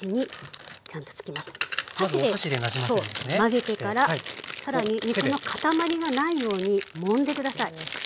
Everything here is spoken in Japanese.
混ぜてから更に肉の塊がないようにもんで下さい。